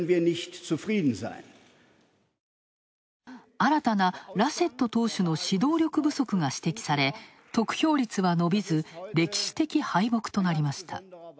新たなラシェット党首の指導力不足が指摘され、得票率は伸びず、歴史的敗北となりました。